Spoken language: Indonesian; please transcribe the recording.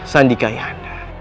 sandika ayah anda